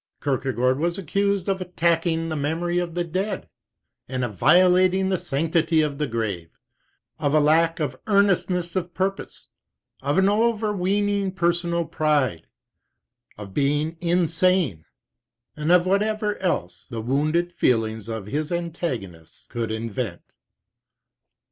Kierkegaard was accused of attacking the memory of the dead, and of violating the sanctity of the grave; of a lack of earnestness of purpose; of an overweening personal pride; of being insane; and of whatever else the wounded feelings of his antagonists could invent.